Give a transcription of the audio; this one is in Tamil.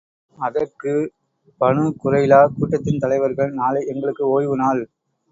அதற்கு, பனூ குறைலா கூட்டத்தின் தலைவர்கள், நாளை எங்களுக்கு ஓய்வு நாள்.